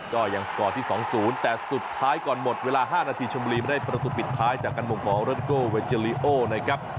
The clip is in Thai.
ก็ยังสกอร์ที่๒๐แต่สุดท้ายก่อนหมดเวลา๕นาทีชมบุรีไม่ได้ประตูปิดท้ายจากการมงของรถโกเวเจอลีโอนะครับ